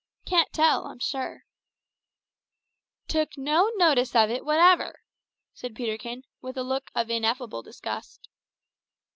"Can't tell, I'm sure." "Took no notice of it whatever!" said Peterkin, with a look of ineffable disgust.